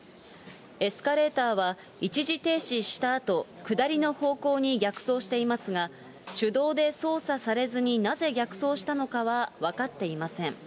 エスカレーターは、一時停止したあと下りの方向に逆走していますが、手動で操作されずになぜ逆走したのかは分かっていません。